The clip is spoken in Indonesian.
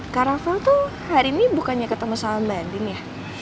kak rafael tuh hari ini bukannya ketemu sama banding ya